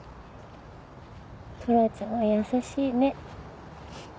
トラちゃんは優しいね。